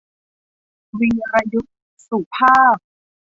วีรยุทธ สุภาพ